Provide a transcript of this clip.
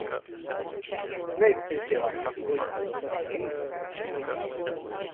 The Jahnke family papers are held at the Valentine Museum in Richmond.